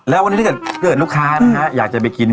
แล้ววันนี้เกิดลูกค้านะฮะอยากจะไปกิน